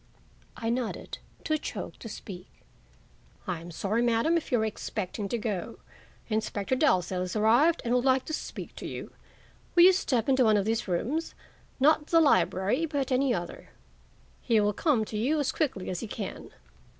I nodded, too choked to speak. "I am sorry, Madam, if you were expecting to go. Inspector Dalzell has arrived and would like to speak to you. Will you step into one of these rooms? Not the library, but any other. He will come to you as quickly as he can."